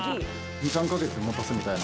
２３か月もたすみたいな？